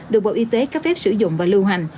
được bộ y tế cấp phép sử dụng và lưu hành